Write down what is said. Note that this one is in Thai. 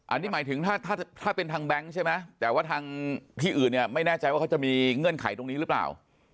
อันนี้หมายถึงถ้าเป็นทางแบงค์ใช่ไหมแต่ว่าทางที่อื่นเนี่ยไม่แน่ใจว่าเขาจะมีเงื่อนไขตรงนี้หรือเปล่า